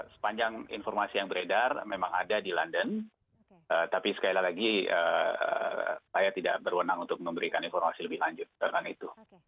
sepanjang informasi yang beredar memang ada di london tapi sekali lagi saya tidak berwenang untuk memberikan informasi lebih lanjut tentang itu